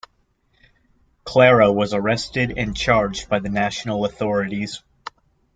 Clara was arrested and charged by the national authorities.